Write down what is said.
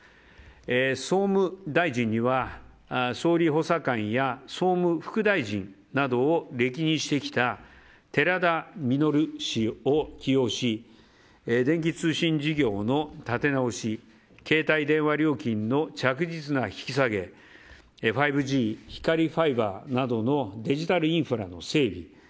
総務大臣には総理補佐官や総務副大臣などを歴任してきた寺田稔氏を起用し電気通信事業の立て直し携帯電話料金の着実な引き下げ５Ｇ、光ファイバーなどのデジタルインフラの整備